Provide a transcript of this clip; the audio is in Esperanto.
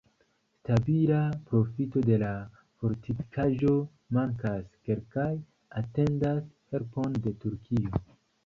Stabila profito de la fortikaĵo mankas, kelkaj atendas helpon de Turkio.